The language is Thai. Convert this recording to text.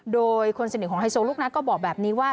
โดยคนสนิทของไฮโซลูกนัทก็บอกแบบนี้ว่า